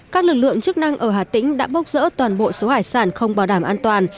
các lực lượng chức năng ở hà tĩnh đã bốc rỡ toàn bộ số hải sản không bảo đảm an toàn